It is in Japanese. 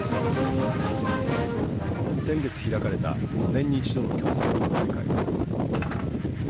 先月開かれた５年に一度の共産党大会。